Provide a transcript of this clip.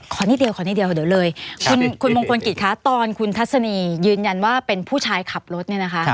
ขอนิดเดียวเดี๋ยวเลยคุณมงคลกิจคะตอนคุณทัศนียืนยันว่าเป็นผู้ชายขับรถ